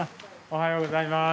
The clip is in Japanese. おはようございます。